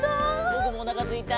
ぼくもおなかすいた。